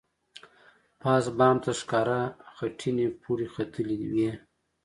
پاس بام ته ښکاره خټینې پوړۍ ختلې وې.